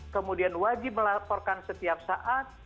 kemudian wajib melaporkan setiap saat